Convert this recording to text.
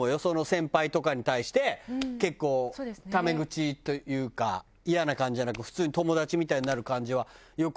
先輩とかに対して結構タメ口というかイヤな感じじゃなく普通に友達みたいになる感じはよくあるなと思うよ。